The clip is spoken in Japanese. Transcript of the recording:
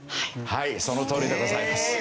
はいそのとおりでございます。